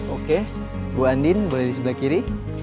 oke bu andin boleh di sebelah kiri